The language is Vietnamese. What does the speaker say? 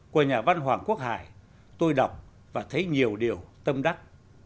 của nhà văn hoàng quốc hải tôi đọc và thấy nhiều điều tâm đắc